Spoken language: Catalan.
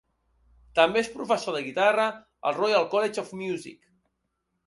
També és professor de guitarra al Royal College of Music.